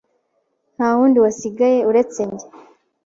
Nta wundi wasigaye uretse njye.